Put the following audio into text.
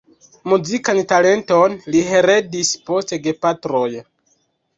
Muzikan talenton li heredis post gepatroj.